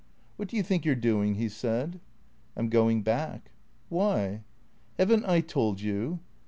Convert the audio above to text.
" What do you think you 're doing ?" he said. " I 'm going back." "Why?" "Haven't I told you?"